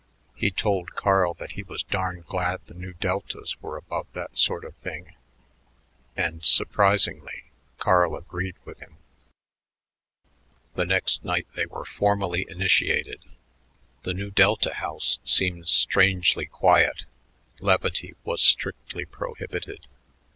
He told Carl that he was darn glad the Nu Deltas were above that sort of thing, and, surprisingly, Carl agreed with him. The next night they were formally initiated. The Nu Delta house seemed strangely quiet; levity was strictly prohibited.